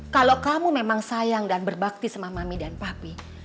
kalau kamu memang sayang dan berbakti sama mami dan papi